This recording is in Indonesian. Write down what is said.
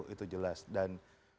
itu jelas dan